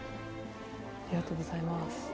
ありがとうございます。